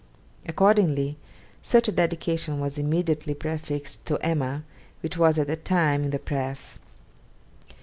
Accordingly such a dedication was immediately prefixed to 'Emma,' which was at that time in the press.